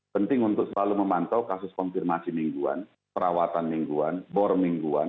penting untuk selalu memantau kasus konfirmasi mingguan perawatan mingguan bor mingguan